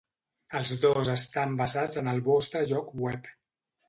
Els dos estan basats en el vostre lloc web.